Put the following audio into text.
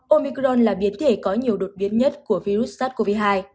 omicron là biến thể có nhiều đột biến nhất của virus sars cov hai